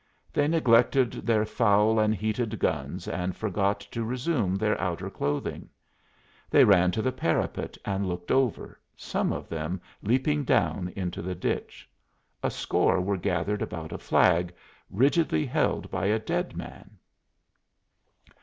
They neglected their foul and heated guns and forgot to resume their outer clothing. They ran to the parapet and looked over, some of them leaping down into the ditch. A score were gathered about a flag rigidly held by a dead man.